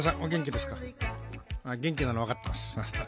まあ元気なのはわかってます」